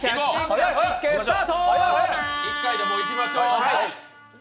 １回でいきましょう。